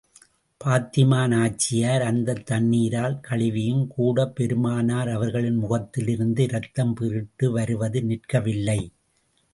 பாத்திமா நாச்சியார் அந்தத் தண்ணீரால் கழுவியும் கூடப் பெருமானார் அவர்களின் முகத்திலிருந்து இரத்தம் பீறிட்டு வருவது நிற்கவில்லை.